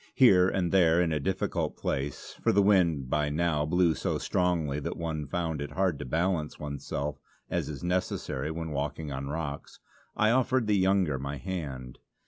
Here and there in a difficult place, for the wind by now blew so strongly that one found it hard to balance oneself as is necessary when walking on rocks, I offered the younger my hand.